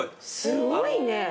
すごいね。